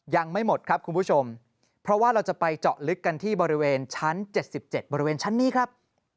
ยังไม่หมดครับคุณผู้ชมเพราะว่าเราจะไปเจาะลึกกันที่บริเวณชั้น๗๗บริเวณชั้นนี้ครับ